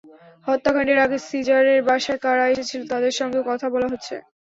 হত্যাকাণ্ডের আগে সিজারের বাসায় কারা এসেছিল, তাদের সঙ্গেও কথা বলা হচ্ছে।